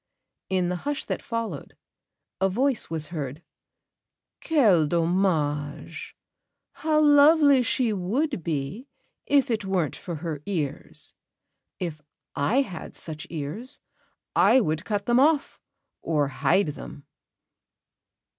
In the hush that followed, a voice was heard: "Quel dommage! How lovely she would be, if it weren't for her ears. If I had such ears, I would cut them off, or hide them."